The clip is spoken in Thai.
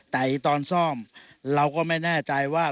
แต่ตอนซ่อมเราก็ไม่แน่ใจว่า